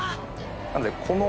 なので。